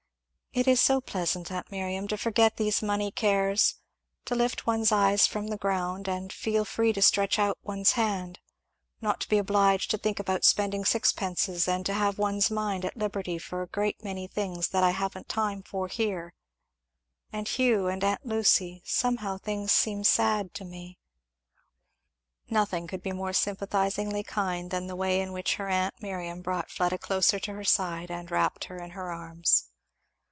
"It is so pleasant, aunt Miriam, to forget these money cares! to lift one's eyes from the ground and feel free to stretch out one's hand not to be obliged to think about spending sixpences, and to have one's mind at liberty for a great many things that I haven't time for here. And Hugh and aunt Lucy somehow things seem sad to me " Nothing could be more sympathizingly kind than the way in which aunt Miriam brought Fleda closer to her side and wrapped her in her arms.